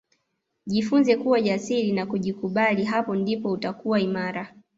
Jifunze kuwa jasiri na kujikubali hapo ndipo utakuwa imara